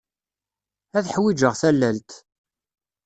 Ad ḥwijeɣ tallalt.